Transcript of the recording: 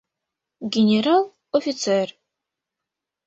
Генерал, офицер